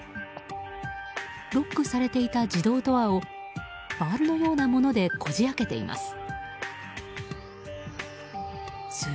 ロックされていた自動ドアをバールのようなものでこじ開けています。